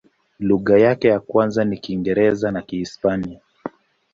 Lugha yake ya kwanza ni Kiingereza na Kihispania.